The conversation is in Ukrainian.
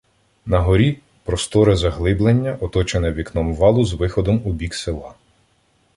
Нагорі — просторе заглиблення, оточене вінком валу з виходом у бік села.